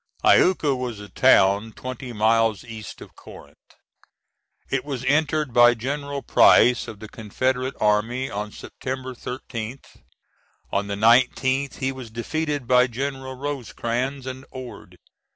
Iuka was a town twenty miles east of Corinth. It was entered by General Price of the Confederate army on September 13th. On the 19th he was defeated by Generals Rosecrans and Ord.